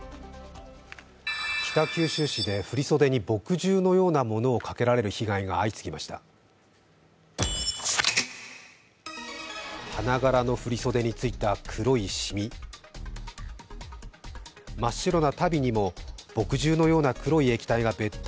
北九州市で振り袖に墨汁のようなものをかけられる被害が相次ぎました。